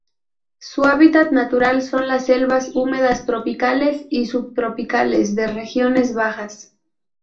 Su hábitat natural son las selvas húmedas tropicales y subtropicales de regiones bajas.